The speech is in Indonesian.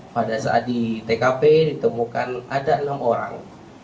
pada saat di tkp ditemukan ada enam orang